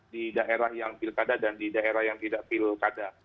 di daerah yang pilkada dan di daerah yang tidak pilkada